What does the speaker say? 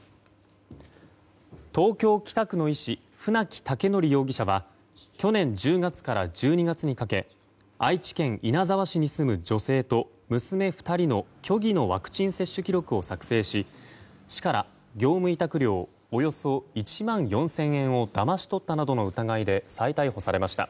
東京・北区の医師船木威徳容疑者は去年１０月から１２月にかけ愛知県稲沢市に住む女性と娘２人の虚偽のワクチン接種記録を作成し市から業務委託料およそ１万４０００円をだまし取ったなどの疑いで再逮捕されました。